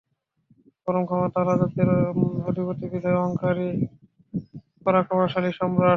পরম ক্ষমতা ও রাজত্বের অধিপতি বিধায় অহংকারী পরাক্রমশালী সম্রাট!